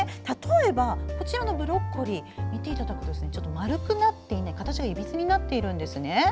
例えば、こちらのブロッコリー見ていただくとちょっと丸くなって形がいびつになっているんです。